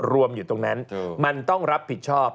รวมอยู่ตรงนั้นมันต้องรับผิดชอบ